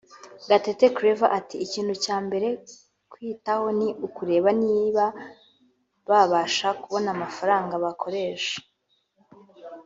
Gatete Claver ati “Ikintu cya mbere twitaho ni ukureba niba babasha kubona amafaranga bakoresha